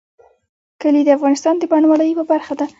کلي د افغانستان د بڼوالۍ یوه برخه ده.